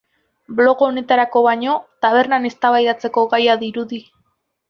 Blog honetarako baino tabernan eztabaidatzeko gaia dirudi.